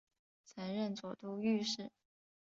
曾任左都御史。